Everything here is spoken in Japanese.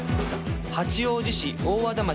八王子市大和田町